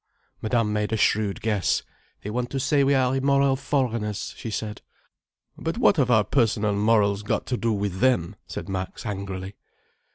Madame made a shrewd guess. "They want to say we are immoral foreigners," she said. "But what have our personal morals got to do with them?" said Max angrily.